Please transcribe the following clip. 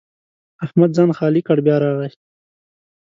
احمد ځان خالي کړ؛ بیا راغی.